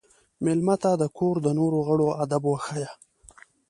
مېلمه ته د کور د نورو غړو ادب وښایه.